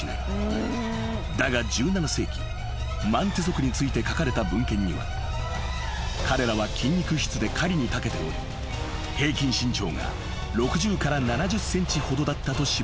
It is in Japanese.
［だが１７世紀マンテ族について書かれた文献には彼らは筋肉質で狩りにたけており平均身長が６０から７０ｃｍほどだったと記されている］